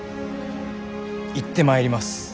行ってまいります。